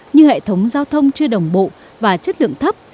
như hệ thống giao thông chưa đồng bộ và chất lượng thấp